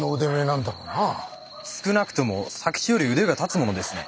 少なくとも佐吉より腕が立つ者ですね。